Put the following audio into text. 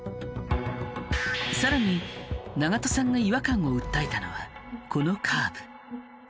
さらに長門さんがを訴えたのはこのカーブ。